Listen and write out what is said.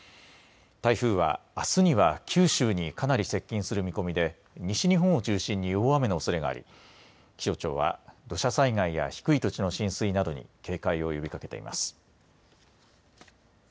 台風はあすには九州にかなり接近する見込みで西日本を中心に大雨のおそれがあり気象庁は土砂災害や低い土地の浸水などに警戒を呼びかけています。